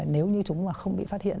nếu như chúng không bị phát hiện